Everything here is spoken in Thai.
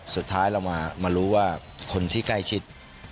สุดท้ายเรามารู้ว่าคนที่ใกล้ชิด